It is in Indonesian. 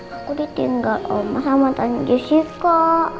aku ditinggal sama tani jessica